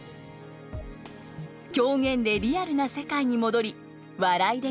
狂言でリアルな世界に戻り笑いで心を解きほぐす。